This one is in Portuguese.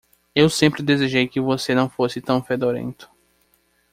Eu sempre desejei que você não fosse tão fedorento.